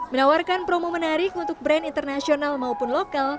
menawarkan promo menarik untuk brand internasional maupun lokal